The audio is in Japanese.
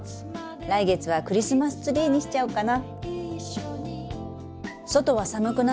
来月はクリスマスツリーにしちゃおっかな」。